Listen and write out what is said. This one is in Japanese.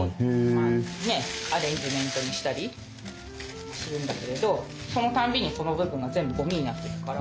まあねえアレンジメントにしたりするんだけれどそのたんびにこの部分が全部ごみになってくから。